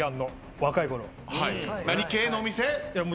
何系のお店？